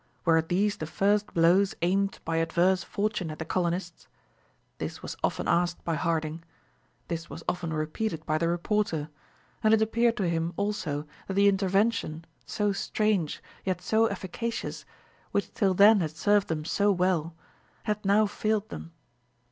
Were these the first blows aimed by adverse fortune at the colonists? This was often asked by Harding. This was often repeated by the reporter; and it appeared to him also that the intervention, so strange, yet so efficacious, which till then had served them so well, had now failed them.